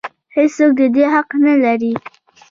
هېڅ څوک د دې حق نه لري.